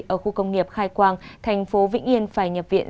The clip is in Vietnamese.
ở khu công nghiệp khai quang tp vĩnh yên phải nhập viện